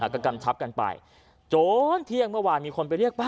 ก็กำชับกันไปจนเที่ยงเมื่อวานมีคนไปเรียกป้า